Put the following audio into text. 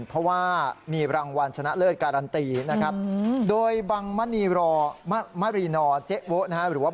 เพราะว่ามีรางวัลชนะเลิศการันตีนะครับโดยบังมณีรอ